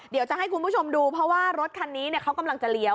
เดี๋ยวจะให้คุณผู้ชมดูเพราะว่ารถคันนี้เขากำลังจะเลี้ยว